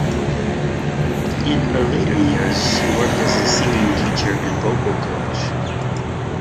In her later years she worked as a singing teacher and vocal coach.